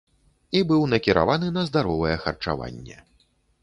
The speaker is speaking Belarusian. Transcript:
І быў накіраваны на здаровае харчаванне.